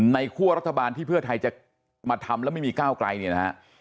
คั่วรัฐบาลที่เพื่อไทยจะมาทำแล้วไม่มีก้าวไกลเนี่ยนะฮะ